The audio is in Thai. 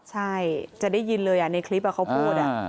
ใช่จะได้ยินเลยในคลิปเขาพูด